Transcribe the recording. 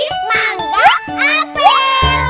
eh strawberry manga apel